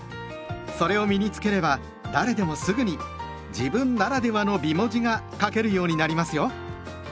それを身に付ければ誰でもすぐに「自分ならではの美文字」が書けるようになりますよ。